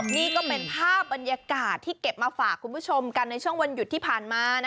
นี่ก็เป็นภาพบรรยากาศที่เก็บมาฝากคุณผู้ชมกันในช่วงวันหยุดที่ผ่านมา